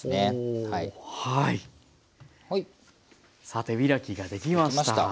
さあ手開きができました。